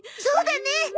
そうだね！